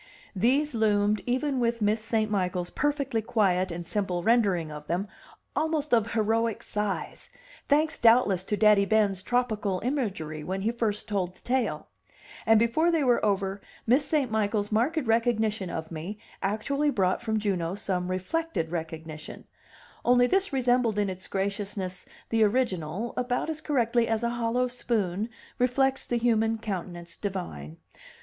These loomed, even with Miss St. Michael's perfectly quiet and simple rendering of them, almost of heroic size, thanks doubtless to Daddy Ben's tropical imagery when he first told the tale; and before they were over Miss St. Michael's marked recognition of me actually brought from Juno some reflected recognition only this resembled in its graciousness the original about as correctly as a hollow spoon reflects the human countenance divine.